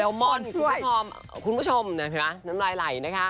แล้วมอนคุณผู้ชมช่วย